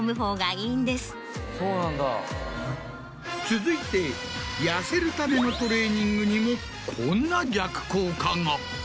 続いて痩せるためのトレーニングにもこんな逆効果が。